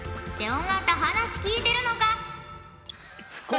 尾形話聞いてるのか？